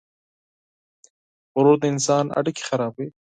غرور د انسان اړیکې خرابوي.